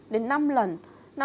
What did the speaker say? đến năm lần